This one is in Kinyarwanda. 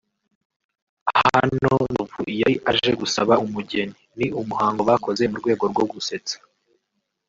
Hano Nzovu yari aje gusaba umugeni( ni umuhango bakoze mu rwego rwo gusetsa)